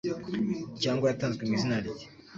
cyangwa yatanzwe mu izina rye